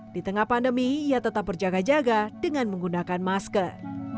di tengah pandemi ia tetap berjaga jaga dengan menggunakan masker